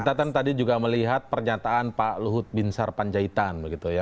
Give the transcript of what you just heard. kita kan tadi juga melihat pernyataan pak luhut bin sar panjaitan begitu ya